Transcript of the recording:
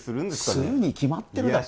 するに決まってるだろ